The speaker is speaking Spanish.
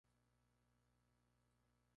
Rara vez se usa salsa española de cerdo o res.